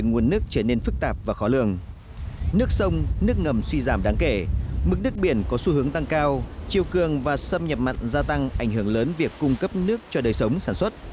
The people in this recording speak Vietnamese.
nhiều vấn đề xâm nhập mặn gia tăng ảnh hưởng lớn việc cung cấp nước cho đời sống sản xuất